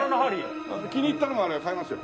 気に入ったのがあれば買いますよ。